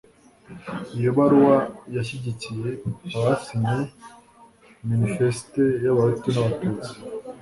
iyo baruwa yashyigikiye abasinye minifesite y'abahutu n'abatutsi